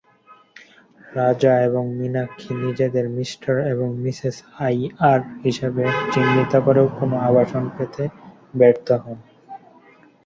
রাজা এবং মীনাক্ষী নিজেদের মিস্টার এবং মিসেস আইয়ার হিসাবে চিহ্নিত করেও কোনও আবাসন পেতে ব্যর্থ হন।